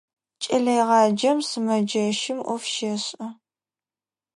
Кӏэлэегъаджэм сымэджэщым ӏоф щешӏэ.